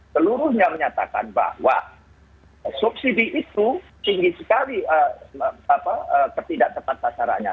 seluruhnya menyatakan bahwa subsidi itu tinggi sekali ketidak tepat sasarannya